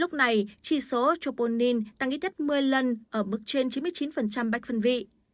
lúc này chỉ số chopolin tăng ít nhất một mươi lần ở mức trên chín mươi chín bách phân vị